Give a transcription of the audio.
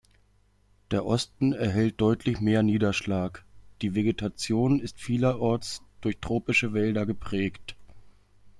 Der Osten erhält deutlich mehr Niederschlag; die Vegetation ist vielerorts durch tropische Wälder geprägt.